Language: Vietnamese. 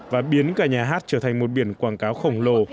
và biến cả nhà hát trở thành một biển quảng cáo khổng lồ